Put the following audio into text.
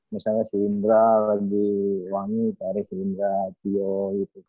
misalnya si indra lagi wangi pak arief indra tio gitu